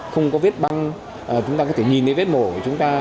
không có vết băng chúng ta có thể nhìn thấy vết mổ để chúng ta